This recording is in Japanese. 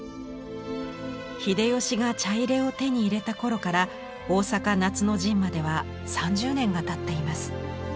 秀吉が茶入を手に入れた頃から大坂夏の陣までは３０年がたっています。